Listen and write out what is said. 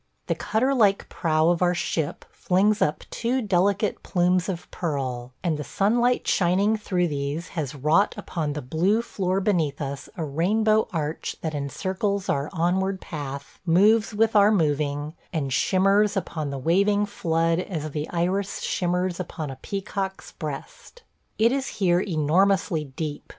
The cutter like prow of our ship flings up two delicate plumes of pearl, and the sunlight shining through these has wrought upon the blue floor beneath us a rainbow arch that encircles our onward path, moves with our moving, and shimmers upon the waving flood as the iris shimmers upon a peacock's breast. ... It is here enormously deep.